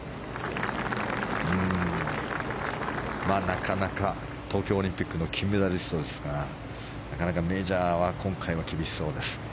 なかなか東京オリンピックの金メダリストですがなかなかメジャーは今回は厳しそうです。